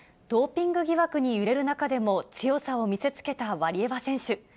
ドーピング疑惑に揺れる中でも強さを見せつけたワリエワ選手。